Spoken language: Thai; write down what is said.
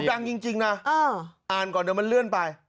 ดังจริงนะอ่านก่อนเดี๋ยวมันเลื่อนไป